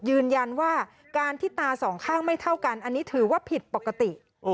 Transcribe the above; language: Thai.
ยืนยันว่าการที่ตาสองข้างไม่เท่ากันอันนี้ถือว่าผิดปกติ